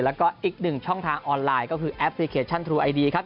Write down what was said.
แล้วก็อีกหนึ่งช่องทางออนไลน์ก็คือแอปพลิเคชันทรูไอดีครับ